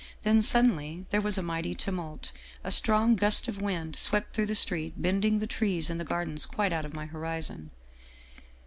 " Then, suddenly, there was a mighty tumult. A strong gust of wind swept through the street, bending the trees in the gardens quite out of my horizon.